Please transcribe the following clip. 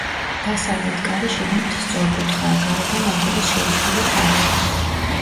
დასავლეთ კარი შიგნით სწორკუთხაა, გარედან აგურის შეისრული თაღი აქვს.